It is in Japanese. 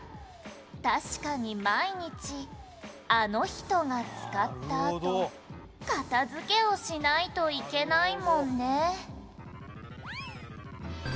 「確かに毎日あの人が使ったあと片付けをしないといけないもんね」